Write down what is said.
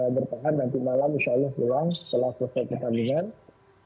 bertahan nanti malam insya allah pulang setelah perasaan kita pulang